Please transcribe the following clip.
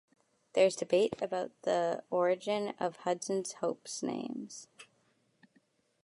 There is debate about the origin of Hudson's Hope's name.